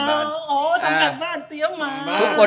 อ๋อทำการบ้านเตรียมมา